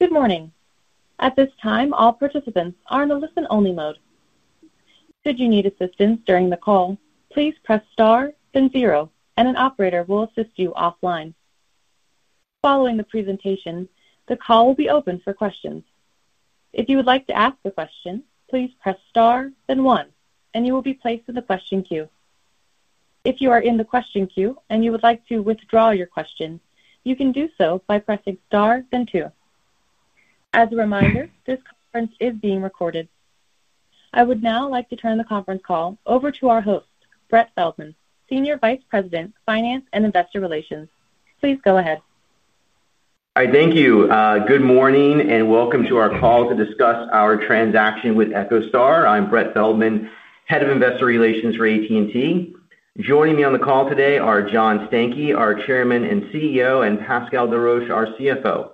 Good morning. At this time, all participants are in a listen-only mode. Should you need assistance during the call, please press star, then zero, and an operator will assist you offline. Following the presentation, the call will be open for questions. If you would like to ask a question, please press star, then one, and you will be placed in the question queue. If you are in the question queue and you would like to withdraw your question, you can do so by pressing star, then two. As a reminder, this conference is being recorded. I would now like to turn the conference call over to our host, Brett Feldman, Senior Vice President, Finance and Investor Relations. Please go ahead. Hi, thank you. Good morning and welcome to our call to discuss our transaction with EchoStar. I'm Brett Feldman, Head of Investor Relations for AT&T. Joining me on the call today are John Stankey, our Chairman and CEO, and Pascal Desroches, our CFO.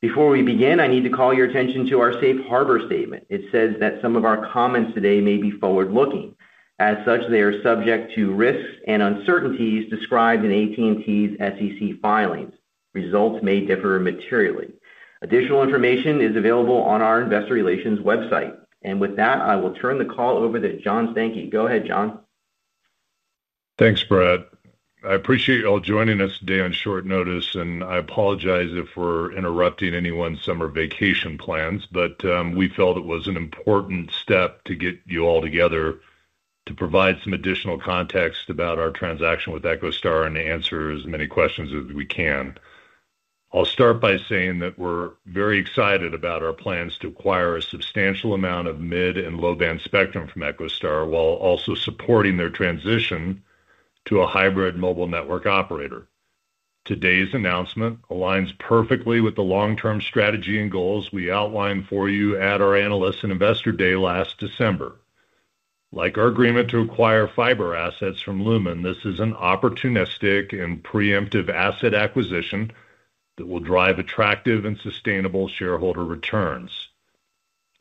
Before we begin, I need to call your attention to our safe harbor statement. It says that some of our comments today may be forward-looking. As such, they are subject to risks and uncertainties described in AT&T's SEC filings. Results may differ materially. Additional information is available on our Investor Relations website. With that, I will turn the call over to John Stankey. Go ahead, John. Thanks, Brett. I appreciate you all joining us today on short notice, and I apologize if we're interrupting anyone's summer vacation plans, but we felt it was an important step to get you all together to provide some additional context about our transaction with EchoStar and answer as many questions as we can. I'll start by saying that we're very excited about our plans to acquire a substantial amount of mid and low-band spectrum from EchoStar while also supporting their transition to a hybrid mobile network operator. Today's announcement aligns perfectly with the long-term strategy and goals we outlined for you at our Analysts and Investor Day last December. Like our agreement to acquire fiber assets from Lumen, this is an opportunistic and preemptive asset acquisition that will drive attractive and sustainable shareholder returns.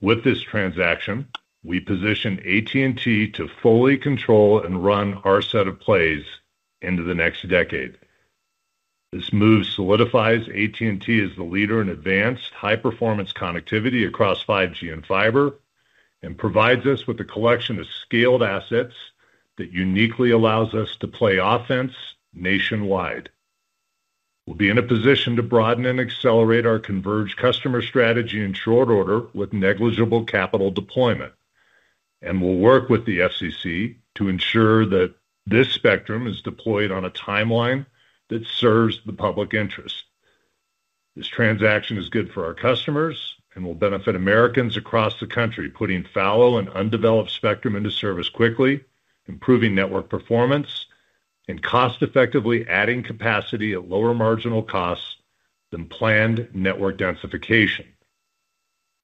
With this transaction, we position AT&T to fully control and run our set of plays into the next decade. This move solidifies AT&T as the leader in advanced high-performance connectivity across 5G and fiber and provides us with a collection of scaled assets that uniquely allows us to play offense nationwide. We'll be in a position to broaden and accelerate our converged customer strategy in short order with negligible capital deployment. We'll work with the SEC to ensure that this spectrum is deployed on a timeline that serves the public interest. This transaction is good for our customers and will benefit Americans across the country, putting fallow and undeveloped spectrum into service quickly, improving network performance, and cost-effectively adding capacity at lower marginal costs than planned network densification.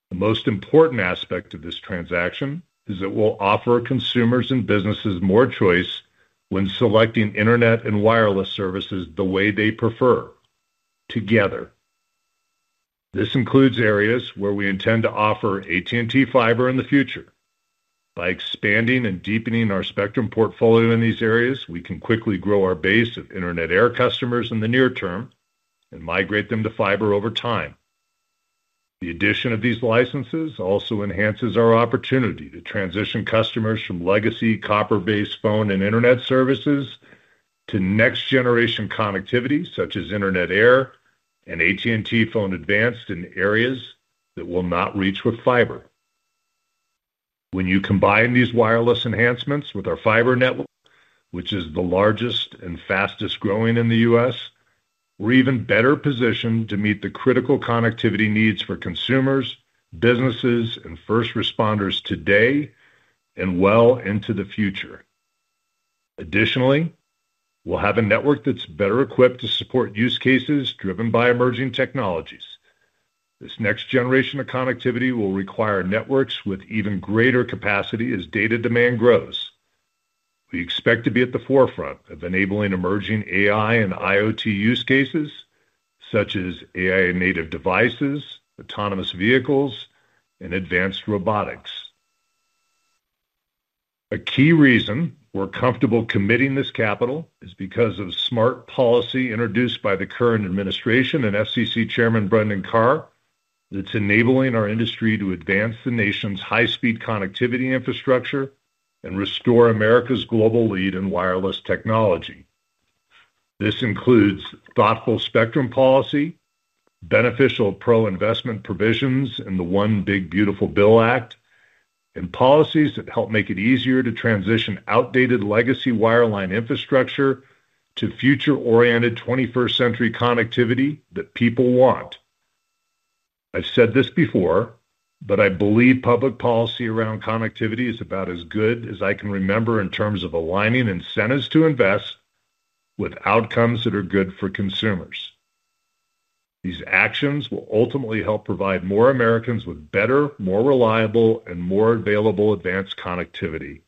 The most important aspect of this transaction is that we'll offer consumers and businesses more choice when selecting internet and wireless services the way they prefer, together. This includes areas where we intend to offer AT&T fiber in the future. By expanding and deepening our spectrum portfolio in these areas, we can quickly grow our base of Internet Air customers in the near term and migrate them to fiber over time. The addition of these licenses also enhances our opportunity to transition customers from legacy copper-based phone and internet services to next-generation connectivity such as Internet Air and AT&T Phone Advanced in areas that we will not reach with fiber. When you combine these wireless enhancements with our fiber network, which is the largest and fastest growing in the U.S., we're even better positioned to meet the critical connectivity needs for consumers, businesses, and first responders today and well into the future. Additionally, we'll have a network that's better equipped to support use cases driven by emerging technologies. This next generation of connectivity will require networks with even greater capacity as data demand grows. We expect to be at the forefront of enabling emerging AI and IoT use cases such as AI-native devices, autonomous vehicles, and advanced robotics. A key reason we're comfortable committing this capital is because of smart policy introduced by the current administration and FCC Chairman Brendan Carr, that's enabling our industry to advance the nation's high-speed connectivity infrastructure and restore America's global lead in wireless technology. This includes thoughtful spectrum policy, beneficial pro-investment provisions in the One Big Beautiful Bill Act, and policies that help make it easier to transition outdated legacy wireline infrastructure to future-oriented 21st-century connectivity that people want. I've said this before, but I believe public policy around connectivity is about as good as I can remember in terms of aligning incentives to invest with outcomes that are good for consumers. These actions will ultimately help provide more Americans with better, more reliable, and more available advanced connectivity.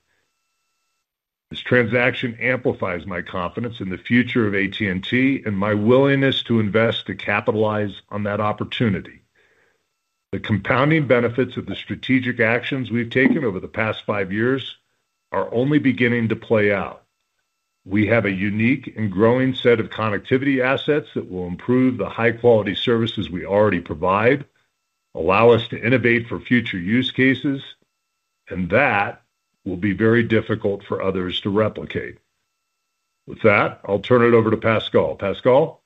This transaction amplifies my confidence in the future of AT&T and my willingness to invest to capitalize on that opportunity. The compounding benefits of the strategic actions we've taken over the past five years are only beginning to play out. We have a unique and growing set of connectivity assets that will improve the high-quality services we already provide, allow us to innovate for future use cases, and that will be very difficult for others to replicate. With that, I'll turn it over to Pascal. Pascal?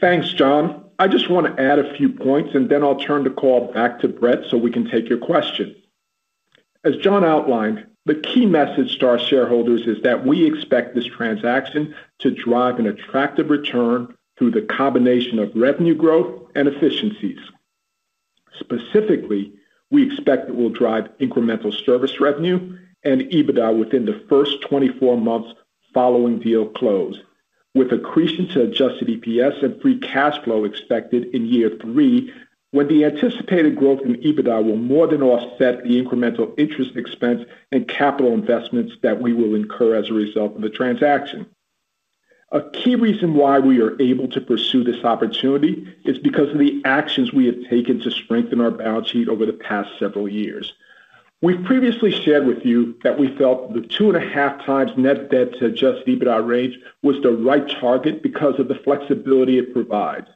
Thanks, John. I just want to add a few points, and then I'll turn the call back to Brett so we can take your question. As John outlined, the key message to our shareholders is that we expect this transaction to drive an attractive return through the combination of revenue growth and efficiencies. Specifically, we expect it will drive incremental service revenue and EBITDA within the first 24 months following deal close, with accretion to adjusted EPS and free cash flow expected in year three when the anticipated growth in EBITDA will more than offset the incremental interest expense and capital investments that we will incur as a result of the transaction. A key reason why we are able to pursue this opportunity is because of the actions we have taken to strengthen our balance sheet over the past several years. We've previously shared with you that we felt the 2.5x net debt to adjusted EBITDA range was the right target because of the flexibility it provides.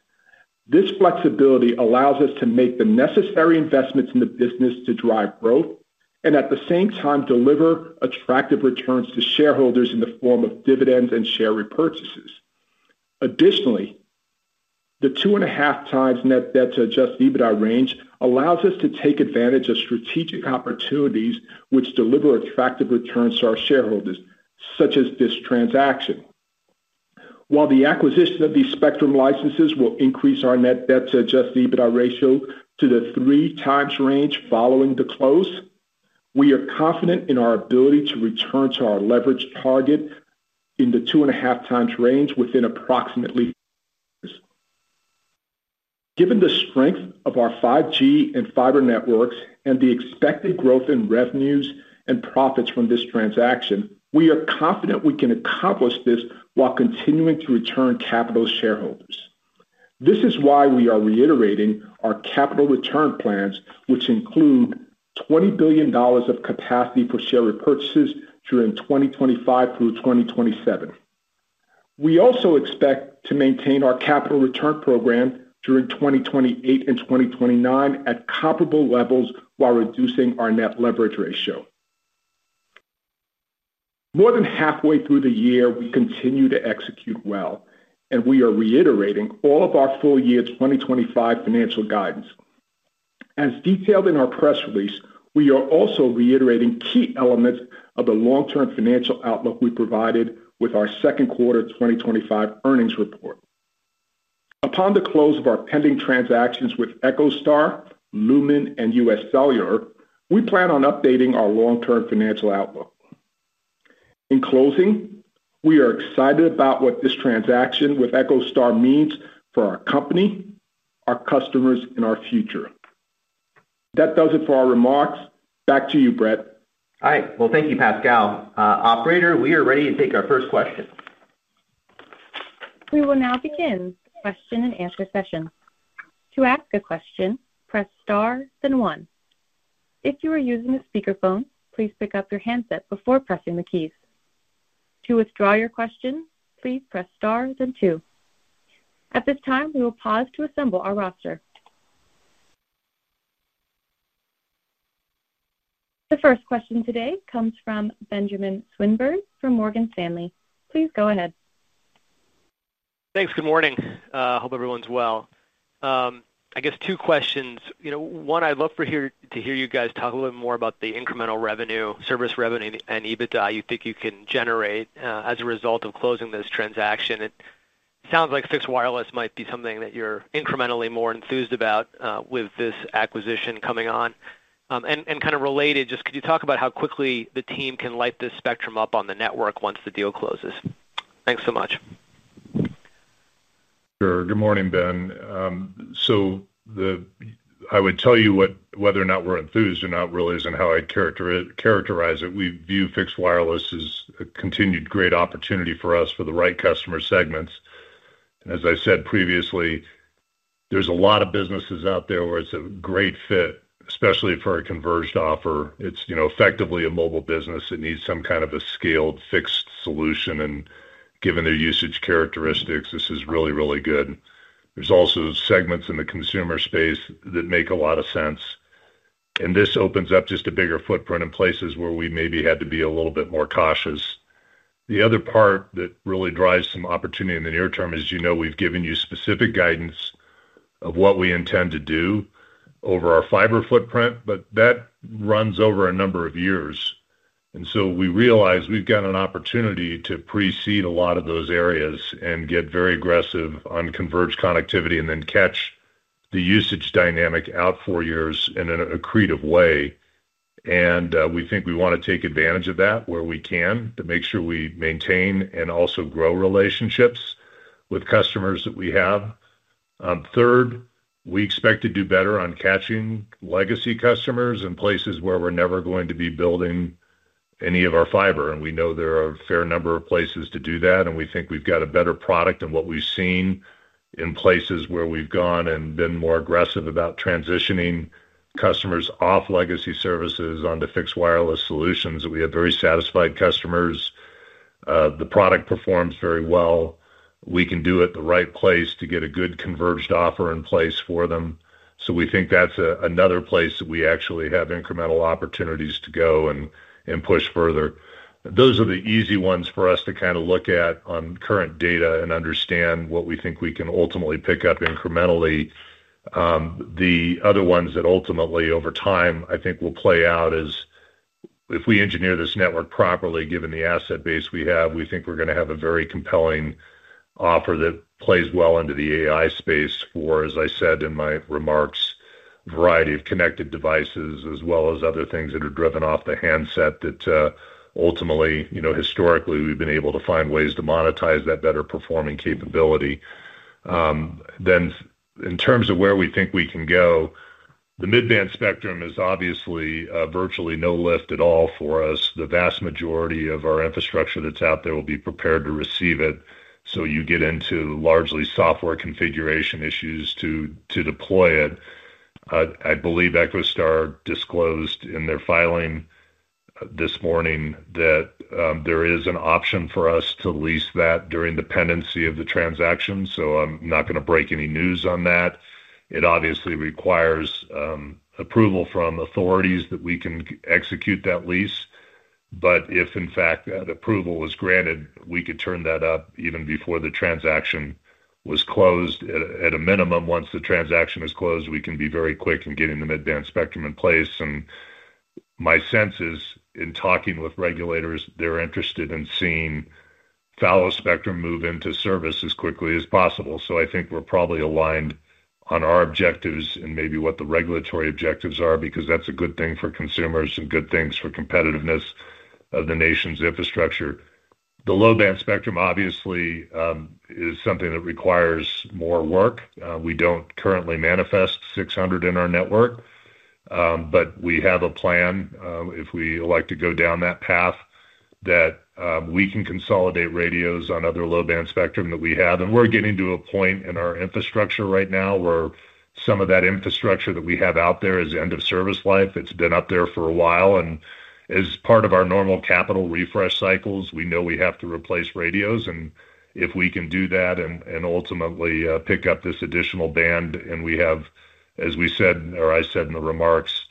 This flexibility allows us to make the necessary investments in the business to drive growth and, at the same time, deliver attractive returns to shareholders in the form of dividends and share repurchases. Additionally, the 2.5x net debt to adjusted EBITDA range allows us to take advantage of strategic opportunities which deliver attractive returns to our shareholders, such as this transaction. While the acquisition of these spectrum licenses will increase our net debt to adjusted EBITDA ratio to the 3x range following the close, we are confident in our ability to return to our leverage target in the 2.5x range within approximately three years. Given the strength of our 5G and fiber networks and the expected growth in revenues and profits from this transaction, we are confident we can accomplish this while continuing to return capital to shareholders. This is why we are reiterating our capital return plans, which include $20 billion of capacity for share repurchases during 2025 through 2027. We also expect to maintain our capital return program during 2028 and 2029 at comparable levels while reducing our net leverage ratio. More than halfway through the year, we continue to execute well, and we are reiterating all of our full-year 2025 financial guidance. As detailed in our press release, we are also reiterating key elements of the long-term financial outlook we provided with our second quarter 2025 earnings report. Upon the close of our pending transactions with EchoStar, Lumen, and UScellular, we plan on updating our long-term financial outlook. In closing, we are excited about what this transaction with EchoStar means for our company, our customers, and our future. That does it for our remarks. Back to you, Brett. All right. Thank you, Pascal. Operator, we are ready to take our first question. We will now begin the question and answer session. To ask a question, press star, then one. If you are using a speakerphone, please pick up your handset before pressing the keys. To withdraw your question, please press star, then two. At this time, we will pause to assemble our roster. The first question today comes from Benjamin Swinburne from Morgan Stanley. Please go ahead. Thanks. Good morning. Hope everyone's well. I guess two questions. One, I'd love to hear you guys talk a little bit more about the incremental service revenue and EBITDA you think you can generate as a result of closing this transaction. It sounds like fixed wireless might be something that you're incrementally more enthused about with this acquisition coming on. Could you talk about how quickly the team can light this spectrum up on the network once the deal closes? Thanks so much. Sure. Good morning, Ben. I would tell you whether or not we're enthused or not really isn't how I'd characterize it. We view fixed wireless as a continued great opportunity for us for the right customer segments. As I said previously, there's a lot of businesses out there where it's a great fit, especially for a converged offer. It's effectively a mobile business that needs some kind of a scaled fixed solution. Given their usage characteristics, this is really, really good. There are also segments in the consumer space that make a lot of sense. This opens up just a bigger footprint in places where we maybe had to be a little bit more cautious. The other part that really drives some opportunity in the near term is, we've given you specific guidance of what we intend to do over our fiber footprint, but that runs over a number of years. We realize we've got an opportunity to precede a lot of those areas and get very aggressive on converged connectivity and then catch the usage dynamic out four years in an accretive way. We think we want to take advantage of that where we can to make sure we maintain and also grow relationships with customers that we have. Third, we expect to do better on catching legacy customers in places where we're never going to be building any of our fiber. We know there are a fair number of places to do that. We think we've got a better product than what we've seen in places where we've gone and been more aggressive about transitioning customers off legacy services onto fixed wireless solutions. We have very satisfied customers. The product performs very well. We can do it at the right place to get a good converged offer in place for them. We think that's another place that we actually have incremental opportunities to go and push further. Those are the easy ones for us to kind of look at on current data and understand what we think we can ultimately pick up incrementally. The other ones that ultimately, over time, I think will play out is if we engineer this network properly, given the asset base we have, we think we're going to have a very compelling offer that plays well into the AI space for, as I said in my remarks, a variety of connected devices, as well as other things that are driven off the handset that ultimately, historically, we've been able to find ways to monetize that better performing capability. In terms of where we think we can go, the mid-band spectrum is obviously virtually no lift at all for us. The vast majority of our infrastructure that's out there will be prepared to receive it. You get into largely software configuration issues to deploy it. I believe EchoStar disclosed in their filing this morning that there is an option for us to lease that during the pendency of the transaction. I'm not going to break any news on that. It obviously requires approval from authorities that we can execute that lease. If, in fact, that approval is granted, we could turn that up even before the transaction was closed. At a minimum, once the transaction is closed, we can be very quick in getting the mid-band spectrum in place. My sense is, in talking with regulators, they're interested in seeing fallow spectrum move into service as quickly as possible. I think we're probably aligned on our objectives and maybe what the regulatory objectives are because that's a good thing for consumers and good things for competitiveness of the nation's infrastructure. The low-band spectrum obviously is something that requires more work. We don't currently manifest 600 MHz in our network, but we have a plan if we elect to go down that path that we can consolidate radios on other low-band spectrum that we have. We're getting to a point in our infrastructure right now where some of that infrastructure that we have out there is end-of-service life. It's been up there for a while. As part of our normal capital refresh cycles, we know we have to replace radios. If we can do that and ultimately pick up this additional band, and we have, as we said, or I said in the remarks,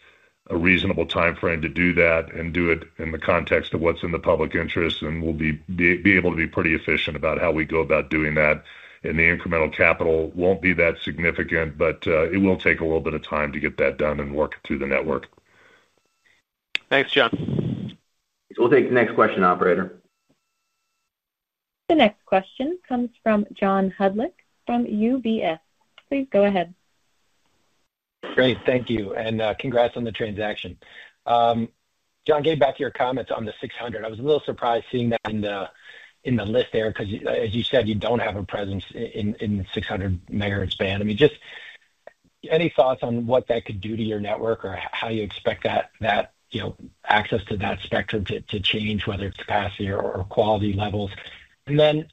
a reasonable timeframe to do that and do it in the context of what's in the public interest, then we'll be able to be pretty efficient about how we go about doing that. The incremental capital won't be that significant, but it will take a little bit of time to get that done and work it through the network. Thanks, John. We'll take the next question, Operator. The next question comes from John Hodulick from UBS. Please go ahead. Great. Thank you. And congrats on the transaction. John, getting back to your comments on the 600 MHz, I was a little surprised seeing that in the list there because, as you said, you don't have a presence in the 600 MHz band. I mean, just any thoughts on what that could do to your network or how you expect that, you know, access to that spectrum to change, whether it's capacity or quality levels? There's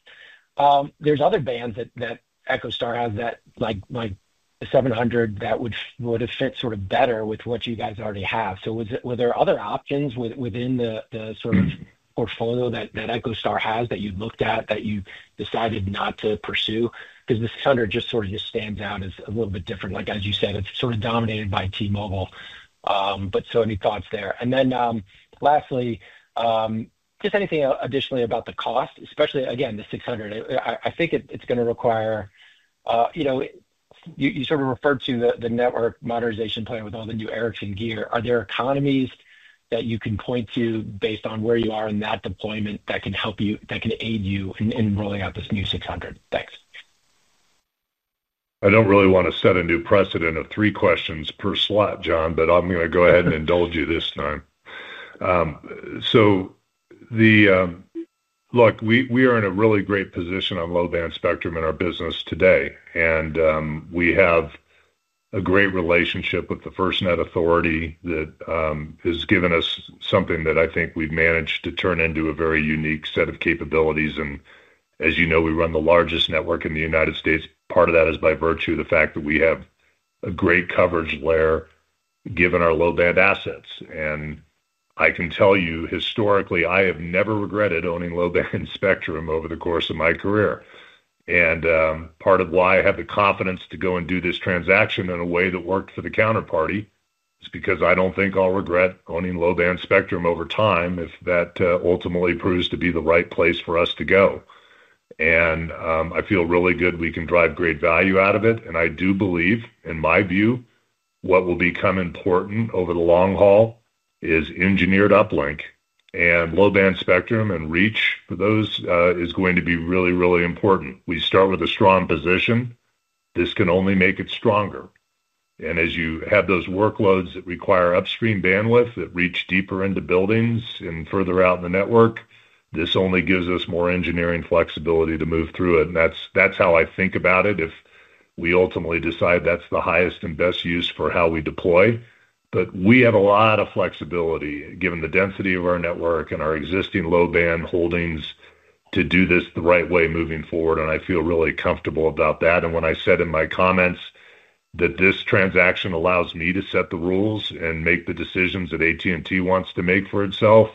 other bands that EchoStar has that, like the 700 MHz, that would have fit sort of better with what you guys already have. Were there other options within the sort of portfolio that EchoStar has that you looked at that you decided not to pursue? The 600 MHz just sort of stands out as a little bit different. Like, as you said, it's sort of dominated by T-Mobile. Any thoughts there? Lastly, just anything additionally about the cost, especially, again, the 600 MHz. I think it's going to require, you know, you sort of referred to the network modernization plan with all the new Ericsson gear. Are there economies that you can point to based on where you are in that deployment that can help you, that can aid you in rolling out this new 600 MHz? Thanks. I don't really want to set a new precedent of three questions per slot, John, but I'm going to go ahead and indulge you this time. We are in a really great position on low-band spectrum in our business today. We have a great relationship with the FirstNet Authority that has given us something that I think we've managed to turn into a very unique set of capabilities. As you know, we run the largest network in the United States. Part of that is by virtue of the fact that we have a great coverage layer given our low-band assets. I can tell you, historically, I have never regretted owning low-band spectrum over the course of my career. Part of why I have the confidence to go and do this transaction in a way that worked for the counterparty is because I don't think I'll regret owning low-band spectrum over time if that ultimately proves to be the right place for us to go. I feel really good we can drive great value out of it. I do believe, in my view, what will become important over the long haul is engineered uplink. Low-band spectrum and reach for those is going to be really, really important. We start with a strong position. This can only make it stronger. As you have those workloads that require upstream bandwidth that reach deeper into buildings and further out in the network, this only gives us more engineering flexibility to move through it. That's how I think about it if we ultimately decide that's the highest and best use for how we deploy. We have a lot of flexibility given the density of our network and our existing low-band holdings to do this the right way moving forward. I feel really comfortable about that. When I said in my comments that this transaction allows me to set the rules and make the decisions that AT&T wants to make for itself,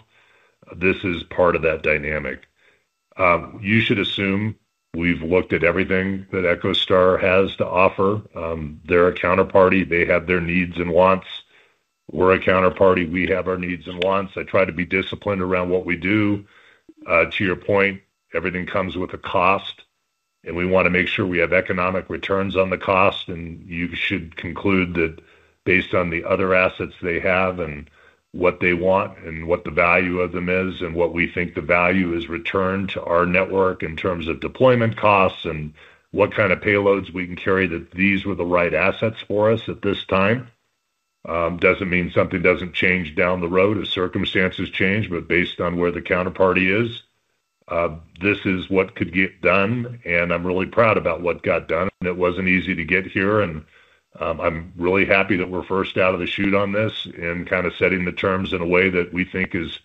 this is part of that dynamic. You should assume we've looked at everything that EchoStar has to offer. They're a counterparty. They have their needs and wants. We're a counterparty. We have our needs and wants. I try to be disciplined around what we do. To your point, everything comes with a cost. We want to make sure we have economic returns on the cost. You should conclude that based on the other assets they have and what they want and what the value of them is and what we think the value is returned to our network in terms of deployment costs and what kind of payloads we can carry, that these were the right assets for us at this time. It doesn't mean something doesn't change down the road if circumstances change, but based on where the counterparty is, this is what could get done. I'm really proud about what got done. It wasn't easy to get here. I'm really happy that we're first out of the shoot on this and kind of setting the terms in a way that we think is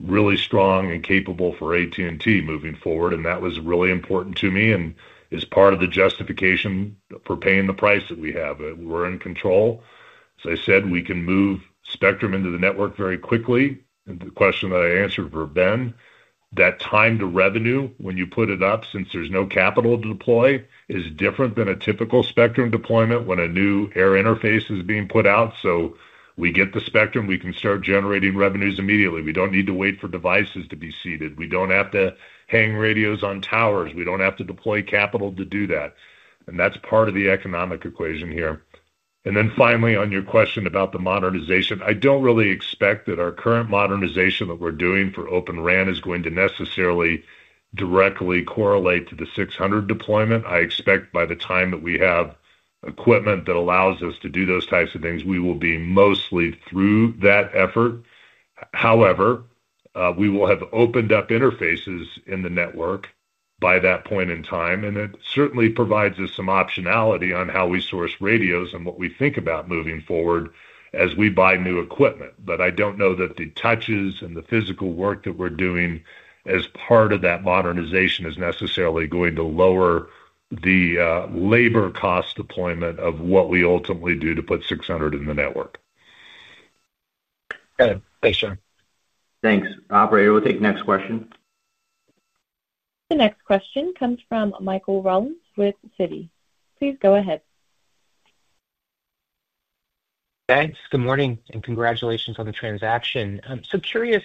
really strong and capable for AT&T moving forward. That was really important to me and is part of the justification for paying the price that we have. We're in control. As I said, we can move spectrum into the network very quickly. The question that I answered for Ben, that time to revenue when you put it up since there's no capital to deploy is different than a typical spectrum deployment when a new air interface is being put out. We get the spectrum. We can start generating revenues immediately. We don't need to wait for devices to be seeded. We don't have to hang radios on towers. We don't have to deploy capital to do that. That's part of the economic equation here. Finally, on your question about the modernization, I don't really expect that our current modernization that we're doing for Open RAN is going to necessarily directly correlate to the 600 MHz deployment. I expect by the time that we have equipment that allows us to do those types of things, we will be mostly through that effort. However, we will have opened up interfaces in the network by that point in time. It certainly provides us some optionality on how we source radios and what we think about moving forward as we buy new equipment. I don't know that the touches and the physical work that we're doing as part of that modernization is necessarily going to lower the labor cost deployment of what we ultimately do to put 600 MHz in the network. Got it. Thanks, John. Thanks, Operator. We'll take the next question. The next question comes from Michael Rollins with Citi. Please go ahead. Thanks. Good morning and congratulations on the transaction. I'm so curious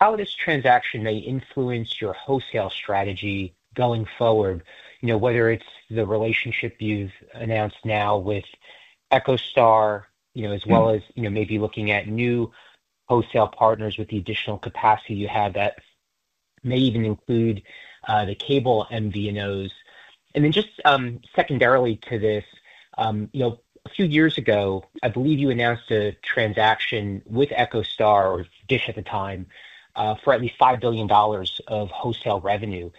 how this transaction may influence your wholesale strategy going forward, whether it's the relationship you've announced now with EchoStar, as well as maybe looking at new wholesale partners with the additional capacity you have that may even include the cable MVNOs. Then just secondarily to this, a few years ago, I believe you announced a transaction with EchoStar or DISH at the time for at least $5 billion of wholesale revenue.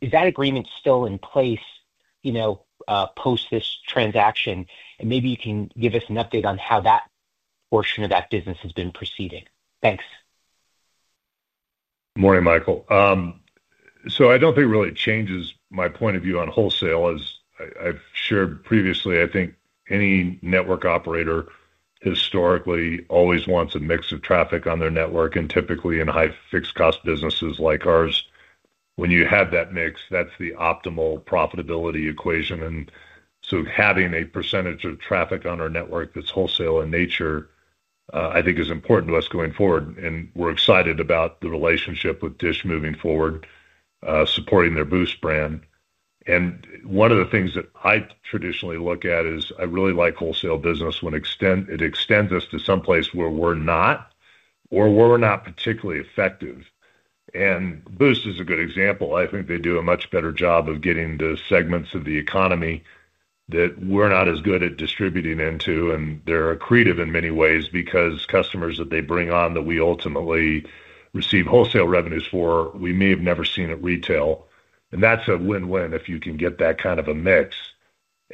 Is that agreement still in place post this transaction? Maybe you can give us an update on how that portion of that business has been proceeding. Thanks. Good morning, Michael. I don't think it really changes my point of view on wholesale. As I've shared previously, I think any network operator historically always wants a mix of traffic on their network. Typically, in high fixed-cost businesses like ours, when you have that mix, that's the optimal profitability equation. Having a percentage of traffic on our network that's wholesale in nature, I think, is important to us going forward. We're excited about the relationship with DISH moving forward, supporting their Boost brand. One of the things that I traditionally look at is I really like wholesale business when it extends us to someplace where we're not or where we're not particularly effective. Boost is a good example. I think they do a much better job of getting the segments of the economy that we're not as good at distributing into. They're accretive in many ways because customers that they bring on that we ultimately receive wholesale revenues for, we may have never seen at retail. That's a win-win if you can get that kind of a mix.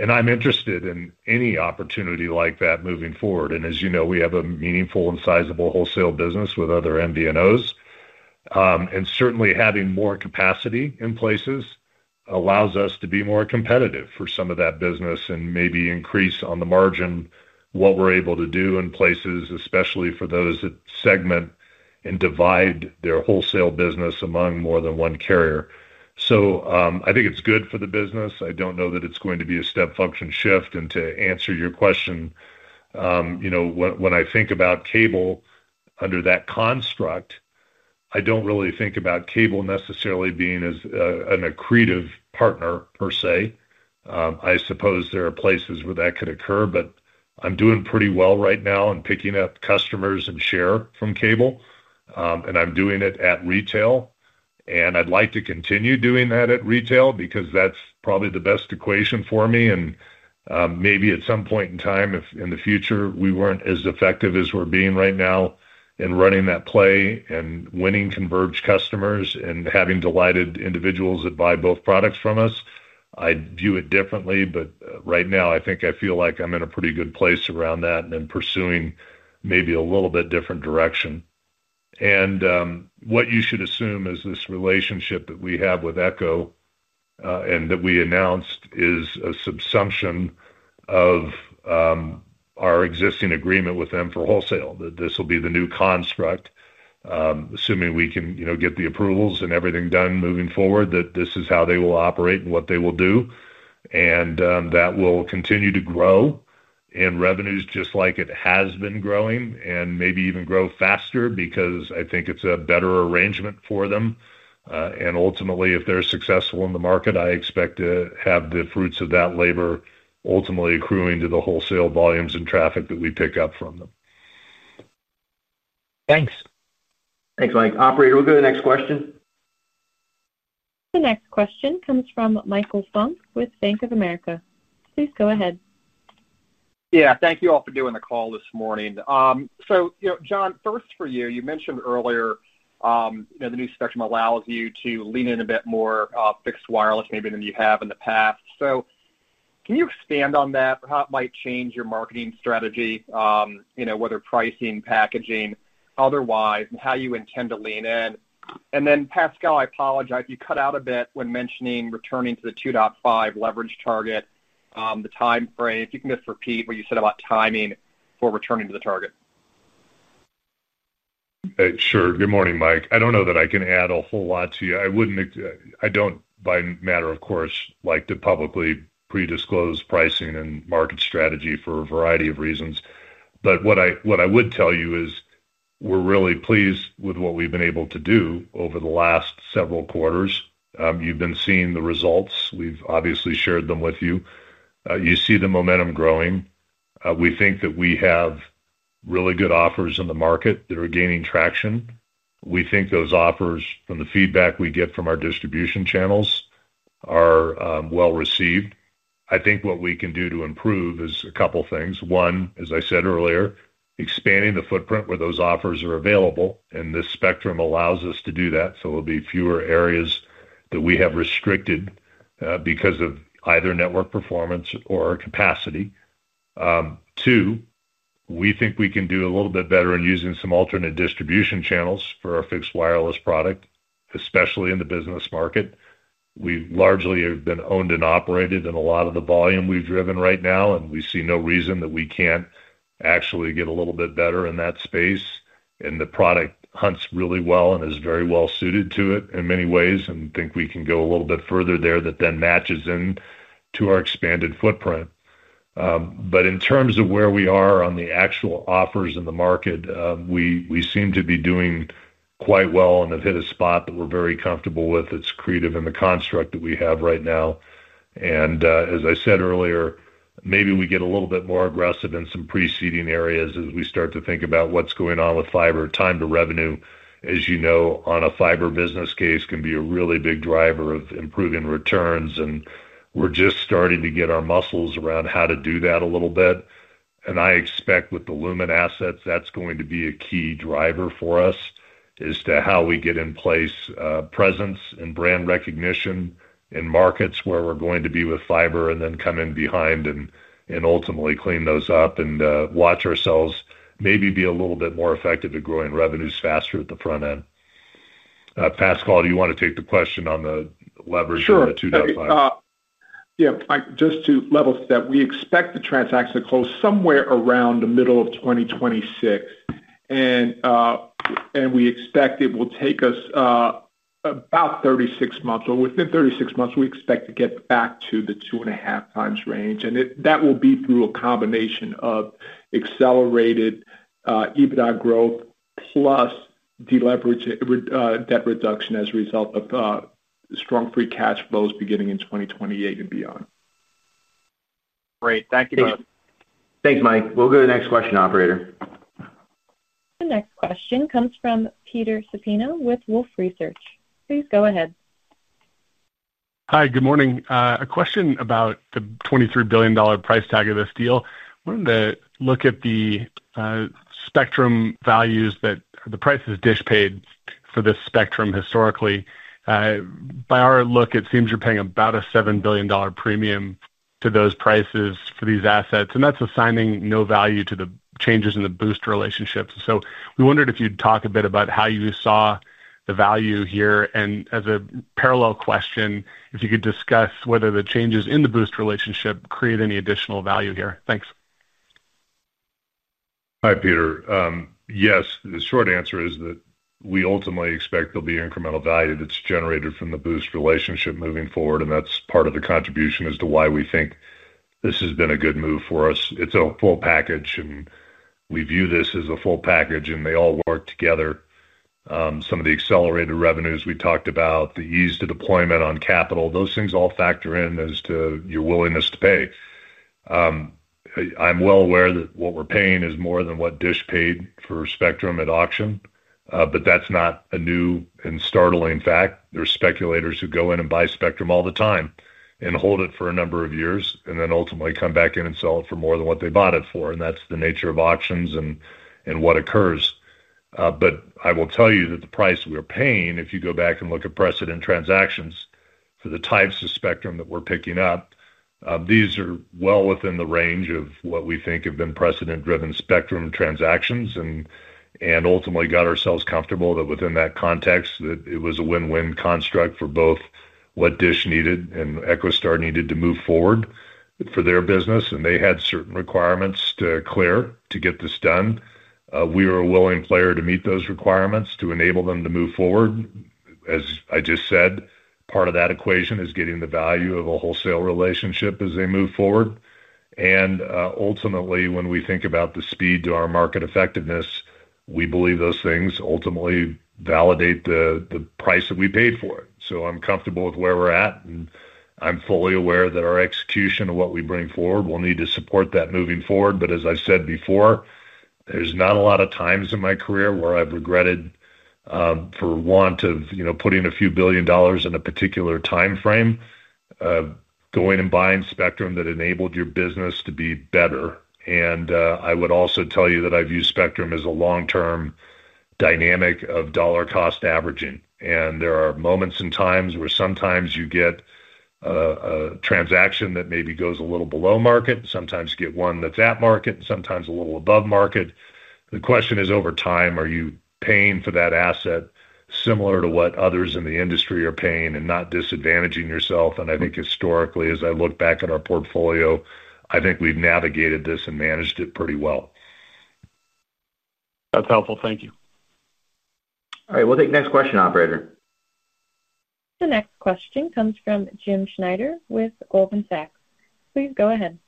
I'm interested in any opportunity like that moving forward. As you know, we have a meaningful and sizable wholesale business with other MVNOs. Certainly, having more capacity in places allows us to be more competitive for some of that business and maybe increase on the margin what we're able to do in places, especially for those that segment and divide their wholesale business among more than one carrier. I think it's good for the business. I don't know that it's going to be a step function shift. To answer your question, when I think about cable under that construct, I don't really think about cable necessarily being an accretive partner per se. I suppose there are places where that could occur, but I'm doing pretty well right now in picking up customers and share from cable. I'm doing it at retail. I'd like to continue doing that at retail because that's probably the best equation for me. Maybe at some point in time, if in the future we weren't as effective as we're being right now in running that play and winning converged customers and having delighted individuals that buy both products from us, I'd do it differently. Right now, I think I feel like I'm in a pretty good place around that and then pursuing maybe a little bit different direction. What you should assume is this relationship that we have with Echo and that we announced is a subsumption of our existing agreement with them for wholesale, that this will be the new construct. Assuming we can get the approvals and everything done moving forward, this is how they will operate and what they will do. That will continue to grow in revenues just like it has been growing and maybe even grow faster because I think it's a better arrangement for them. Ultimately, if they're successful in the market, I expect to have the fruits of that labor ultimately accruing to the wholesale volumes and traffic that we pick up from them. Thanks, Mike. Operator, we'll go to the next question. The next question comes from Michael Funk with Bank of America. Please go ahead. Thank you all for doing the call this morning. John, first for you, you mentioned earlier the new spectrum allows you to lean in a bit more fixed wireless maybe than you have in the past. Can you expand on that or how it might change your marketing strategy, whether pricing, packaging, otherwise, and how you intend to lean in? Pascal, I apologize. You cut out a bit when mentioning returning to the 2.5 leverage target, the timeframe. If you can just repeat what you said about timing for returning to the target. Sure. Good morning, Mike. I don't know that I can add a whole lot to you. I wouldn't, I don't, by matter of course, like to publicly pre-disclose pricing and market strategy for a variety of reasons. What I would tell you is we're really pleased with what we've been able to do over the last several quarters. You've been seeing the results. We've obviously shared them with you. You see the momentum growing. We think that we have really good offers in the market that are gaining traction. We think those offers, from the feedback we get from our distribution channels, are well received. I think what we can do to improve is a couple of things. One, as I said earlier, expanding the footprint where those offers are available. This spectrum allows us to do that. It'll be fewer areas that we have restricted because of either network performance or capacity. Two, we think we can do a little bit better in using some alternate distribution channels for our fixed wireless product, especially in the business market. We largely have been owned and operated in a lot of the volume we've driven right now. We see no reason that we can't actually get a little bit better in that space. The product hunts really well and is very well suited to it in many ways. I think we can go a little bit further there that then matches into our expanded footprint. In terms of where we are on the actual offers in the market, we seem to be doing quite well and have hit a spot that we're very comfortable with. It's accretive in the construct that we have right now. As I said earlier, maybe we get a little bit more aggressive in some preceding areas as we start to think about what's going on with fiber. Time to revenue, as you know, on a fiber business case can be a really big driver of improving returns. We're just starting to get our muscles around how to do that a little bit. I expect with the Lumen assets, that's going to be a key driver for us as to how we get in place presence and brand recognition in markets where we're going to be with fiber and then come in behind and ultimately clean those up and watch ourselves maybe be a little bit more effective at growing revenues faster at the front end. Pascal, do you want to take the question on the leverage on the 2.5? Yeah. Just to level that, we expect the transaction to close somewhere around the middle of 2026. We expect it will take us about 36 months. Within 36 months, we expect to get back to the 2.5x range. That will be through a combination of accelerated EBITDA growth plus deleverage debt reduction as a result of strong free cash flows beginning in 2028 and beyond. Great. Thank you. Thank you, Mike. We'll go to the next question, Operator. The next question comes from Peter Supino with Wolfe Research. Please go ahead. Hi. Good morning. A question about the $23 billion price tag of this deal. I wanted to look at the spectrum values that the prices DISH paid for this spectrum historically. By our look, it seems you're paying about a $7 billion premium to those prices for these assets. That's assigning no value to the changes in the Boost relationship. We wondered if you'd talk a bit about how you saw the value here. As a parallel question, if you could discuss whether the changes in the Boost relationship create any additional value here. Thanks. Hi, Peter. Yes. The short answer is that we ultimately expect there'll be incremental value that's generated from the Boost relationship moving forward. That's part of the contribution as to why we think this has been a good move for us. It's a full package. We view this as a full package, and they all work together. Some of the accelerated revenues we talked about, the ease to deployment on capital, those things all factor in as to your willingness to pay. I'm well aware that what we're paying is more than what DISH paid for spectrum at auction. That's not a new and startling fact. There are speculators who go in and buy spectrum all the time and hold it for a number of years and then ultimately come back in and sell it for more than what they bought it for. That's the nature of auctions and what occurs. I will tell you that the price we're paying, if you go back and look at precedent transactions for the types of spectrum that we're picking up, these are well within the range of what we think have been precedent-driven spectrum transactions and ultimately got ourselves comfortable that within that context, it was a win-win construct for both what DISH needed and EchoStar needed to move forward for their business. They had certain requirements to clear to get this done. We are a willing player to meet those requirements to enable them to move forward. As I just said, part of that equation is getting the value of a wholesale relationship as they move forward. Ultimately, when we think about the speed to our market effectiveness, we believe those things ultimately validate the price that we paid for it. I'm comfortable with where we're at. I'm fully aware that our execution of what we bring forward will need to support that moving forward. As I've said before, there's not a lot of times in my career where I've regretted for want of, you know, putting a few billion dollars in a particular time frame, going and buying spectrum that enabled your business to be better. I would also tell you that I view spectrum as a long-term dynamic of dollar cost averaging. There are moments and times where sometimes you get a transaction that maybe goes a little below market. Sometimes you get one that's at market and sometimes a little above market. The question is, over time, are you paying for that asset similar to what others in the industry are paying and not disadvantaging yourself? I think historically, as I look back at our portfolio, I think we've navigated this and managed it pretty well. That's helpful. Thank you. All right, we'll take the next question, Operator. The next question comes from Jim Schneider with Goldman Sachs. Please go ahead.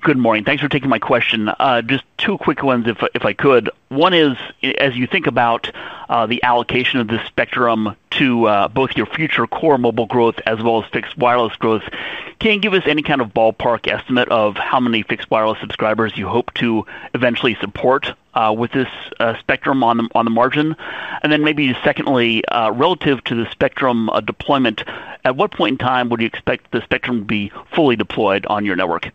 Good morning. Thanks for taking my question. Just two quick ones, if I could. One is, as you think about the allocation of this spectrum to both your future core mobile growth as well as fixed wireless growth, can you give us any kind of ballpark estimate of how many fixed wireless subscribers you hope to eventually support with this spectrum on the margin? Maybe secondly, relative to the spectrum deployment, at what point in time would you expect the spectrum to be fully deployed on your network?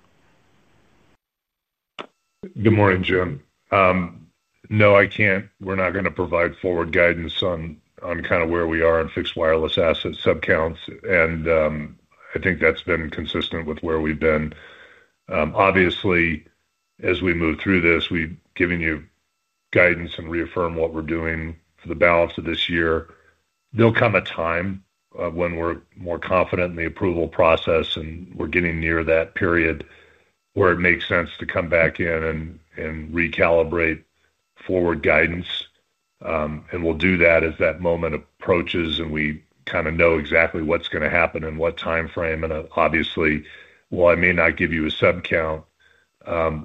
Good morning, Jim. No, I can't. We're not going to provide forward guidance on kind of where we are in fixed wireless asset subcounts. I think that's been consistent with where we've been. Obviously, as we move through this, we've given you guidance and reaffirmed what we're doing for the balance of this year. There'll come a time when we're more confident in the approval process and we're getting near that period where it makes sense to come back in and recalibrate forward guidance. We'll do that as that moment approaches and we kind of know exactly what's going to happen in what time frame. Obviously, while I may not give you a subcount,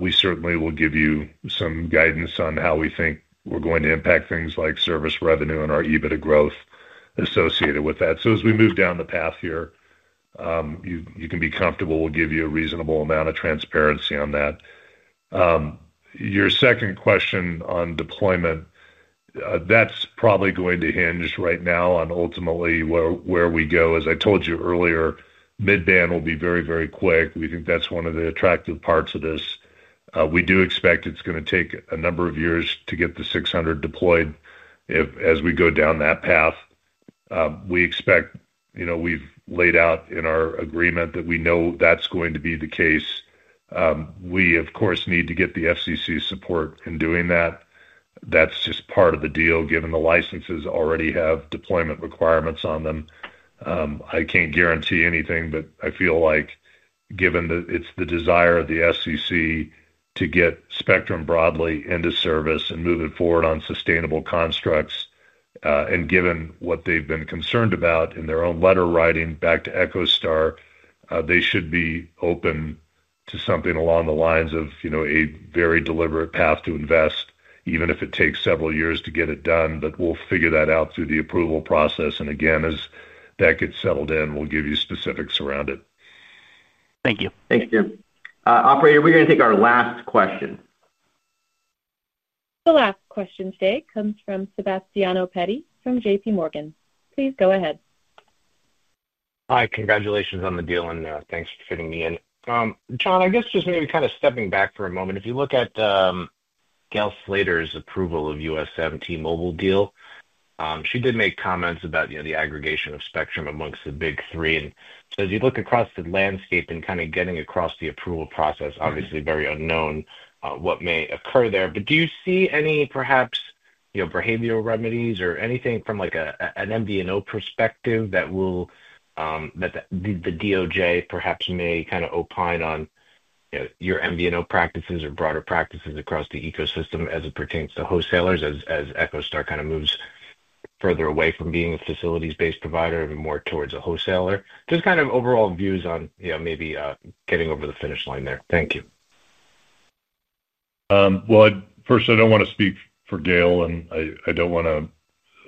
we certainly will give you some guidance on how we think we're going to impact things like service revenue and our EBITDA growth associated with that. As we move down the path here, you can be comfortable we'll give you a reasonable amount of transparency on that. Your second question on deployment, that's probably going to hinge right now on ultimately where we go. As I told you earlier, mid-band will be very, very quick. We think that's one of the attractive parts of this. We do expect it's going to take a number of years to get the 600 MHz deployed as we go down that path. We expect, you know, we've laid out in our agreement that we know that's going to be the case. We, of course, need to get the FCC support in doing that. That's just part of the deal, given the licenses already have deployment requirements on them. I can't guarantee anything, but I feel like given that it's the desire of the FCC to get spectrum broadly into service and move it forward on sustainable constructs. Given what they've been concerned about in their own letter writing back to EchoStar, they should be open to something along the lines of a very deliberate path to invest, even if it takes several years to get it done. We'll figure that out through the approval process. Again, as that gets settled in, we'll give you specifics around it. Thank you. Thanks, Jim. Operator, we're going to take our last question. The last question today comes from Sebastiano Petty from JPMorgan. Please go ahead. Hi. Congratulations on the deal and thanks for fitting me in. John, I guess just maybe kind of stepping back for a moment. If you look at Gail Slater's approval of U.S. T-Mobile deal, she did make comments about, you know, the aggregation of spectrum amongst the big three. As you look across the landscape and kind of getting across the approval process, obviously very unknown what may occur there. Do you see any perhaps, you know, behavioral remedies or anything from like an MVNO perspective that will, that the DOJ perhaps may kind of opine on, you know, your MVNO practices or broader practices across the ecosystem as it pertains to wholesalers as EchoStar kind of moves further away from being a facilities-based provider and more towards a wholesaler? Just kind of overall views on, you know, maybe getting over the finish line there. Thank you. First, I don't want to speak for Gail and I don't want to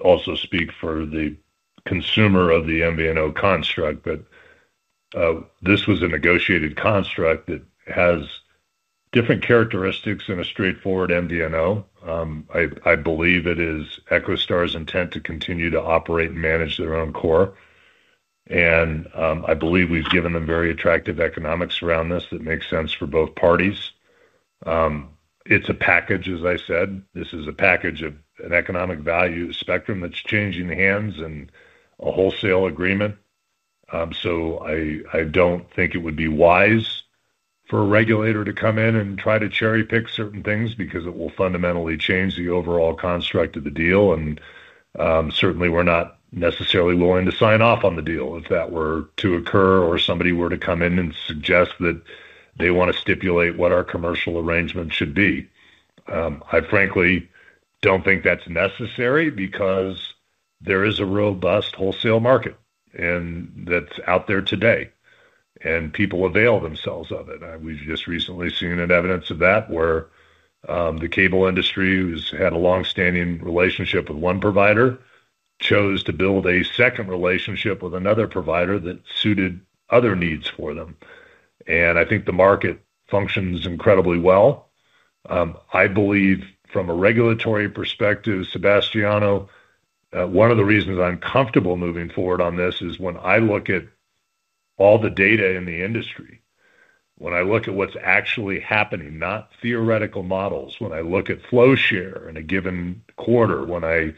also speak for the consumer of the MVNO construct. This was a negotiated construct that has different characteristics than a straightforward MVNO. I believe it is EchoStar's intent to continue to operate and manage their own core. I believe we've given them very attractive economics around this that make sense for both parties. It's a package, as I said. This is a package of an economic value of spectrum that's changing hands and a wholesale agreement. I don't think it would be wise for a regulator to come in and try to cherry-pick certain things because it will fundamentally change the overall construct of the deal. We're not necessarily willing to sign off on the deal if that were to occur or somebody were to come in and suggest that they want to stipulate what our commercial arrangement should be. I frankly don't think that's necessary because there is a robust wholesale market that's out there today. People avail themselves of it. We've just recently seen evidence of that where the cable industry has had a longstanding relationship with one provider, chose to build a second relationship with another provider that suited other needs for them. I think the market functions incredibly well. I believe from a regulatory perspective, Sebastiano, one of the reasons I'm comfortable moving forward on this is when I look at all the data in the industry, when I look at what's actually happening, not theoretical models, when I look at flow share in a given quarter, when I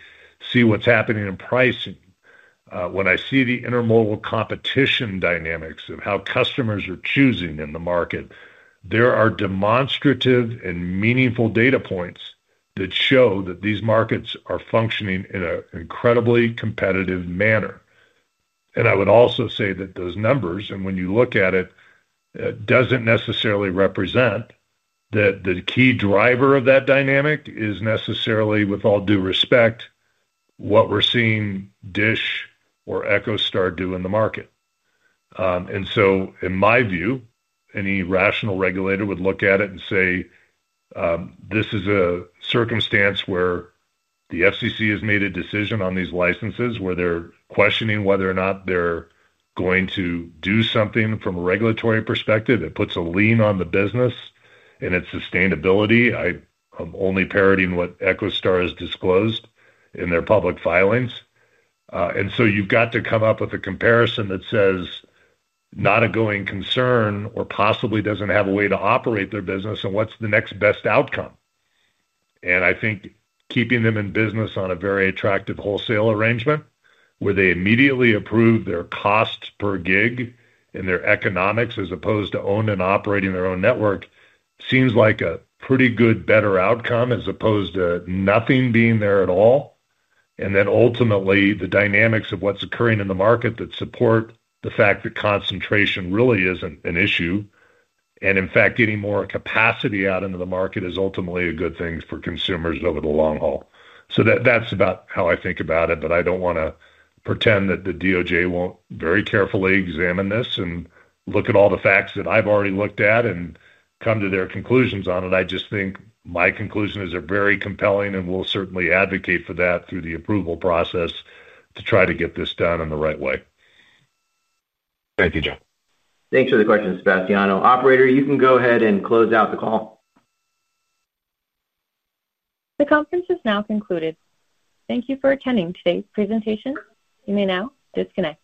see what's happening in pricing, when I see the intermobile competition dynamics of how customers are choosing in the market, there are demonstrative and meaningful data points that show that these markets are functioning in an incredibly competitive manner. I would also say that those numbers, and when you look at it, it doesn't necessarily represent that the key driver of that dynamic is necessarily, with all due respect, what we're seeing DISH or EchoStar do in the market. In my view, any rational regulator would look at it and say, this is a circumstance where the FCC has made a decision on these licenses where they're questioning whether or not they're going to do something from a regulatory perspective that puts a lean on the business and its sustainability. I'm only parroting what EchoStar has disclosed in their public filings. You have to come up with a comparison that says not a going concern or possibly doesn't have a way to operate their business and what's the next best outcome. I think keeping them in business on a very attractive wholesale arrangement where they immediately improve their cost per gig and their economics as opposed to owning and operating their own network seems like a pretty good better outcome as opposed to nothing being there at all. Ultimately, the dynamics of what's occurring in the market support the fact that concentration really isn't an issue. In fact, getting more capacity out into the market is ultimately a good thing for consumers over the long haul. That's about how I think about it. I don't want to pretend that the DOJ won't very carefully examine this and look at all the facts that I've already looked at and come to their conclusions on it. I just think my conclusion is very compelling and will certainly advocate for that through the approval process to try to get this done in the right way. Thank you, John. Thanks for the question, Sebastiano. Operator, you can go ahead and close out the call. The conference is now concluded. Thank you for attending today's presentation. You may now disconnect.